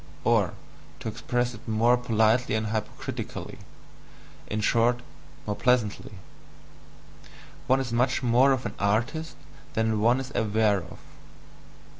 Or, to express it more politely and hypocritically, in short, more pleasantly one is much more of an artist than one is aware of.